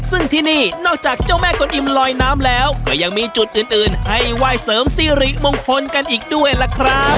ซึ่งที่นี่นอกจากเจ้าแม่กลอิ่มลอยน้ำแล้วก็ยังมีจุดอื่นให้ไหว้เสริมสิริมงคลกันอีกด้วยล่ะครับ